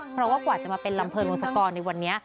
เพราะว่ากว่าจะมาเป็นลำเนินวงศกรในวันนี้